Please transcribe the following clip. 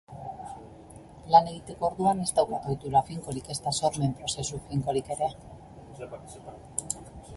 Lan egiteko orduan ez daukat ohitura finkorik, ezta sormen prozesu finkorik ere.